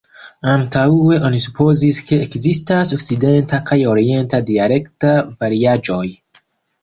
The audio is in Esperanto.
Antaŭe oni supozis, ke ekzistas okcidenta kaj orienta dialekta variaĵoj.